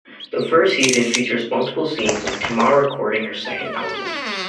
The first season features multiple scenes of Tamar recording her second album.